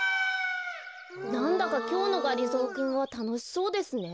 なんだかきょうのがりぞーくんはたのしそうですね。